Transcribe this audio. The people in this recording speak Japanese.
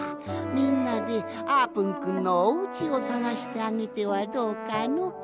みんなであーぷんくんのおうちをさがしてあげてはどうかの？